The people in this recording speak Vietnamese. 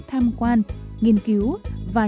tham quan nghiên cứu và